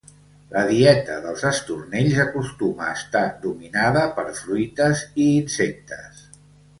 La dieta dels estornells acostuma a estar dominada per fruites i insectes.